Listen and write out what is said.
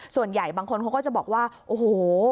ส่วนใหญ่บางคนเขาก็จะบอกว่าโอ้โห